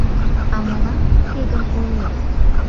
— А молан уке гын, ойлет?